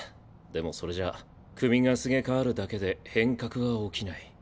でもそれじゃ首がすげ替わるだけで変革は起きない。